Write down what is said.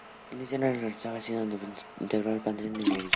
En ese año regresó a Brasil, en donde integró el plantel de Mineiro.